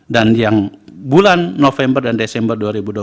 dan yang bulan november dan desember dua ribu dua puluh tiga